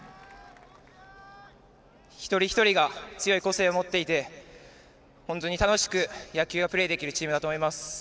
一人一人が強い個性を持っていて本当に楽しく野球がプレーできるチームだと思います。